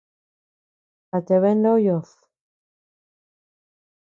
¿A tabea ndoyod?